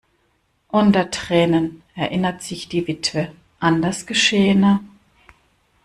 Unter Tränen erinnert sich die Witwe an das Geschehene.